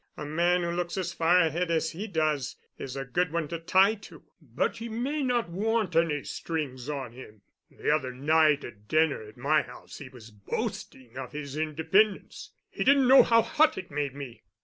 A man who looks as far ahead as he does is a good one to tie to." "But he may not want any strings on him. The other night at dinner at my house he was boasting of his independence. He didn't know how hot it made me."